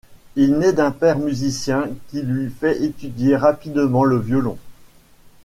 Il nait d'un père musicien qui lui fait étudier rapidement le violon.